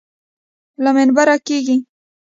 له منبره کېږي.